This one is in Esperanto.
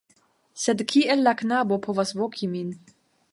Sed kiel la knabo povas voki min?